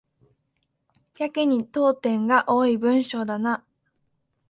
やけに読点が多い文章だな